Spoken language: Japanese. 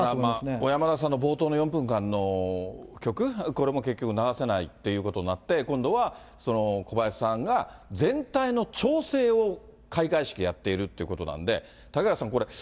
小山田さんの冒頭の４分間の曲、これも結局流さないっていうことになって、今度は小林さんが全体の調整を開会式でやっているっていうことなんで、嵩原さん、ん？